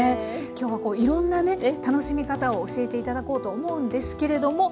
今日はいろんなね楽しみ方を教えて頂こうと思うんですけれども。